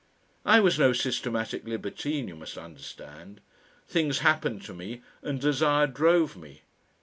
I was no systematic libertine, you must understand; things happened to me and desire drove me.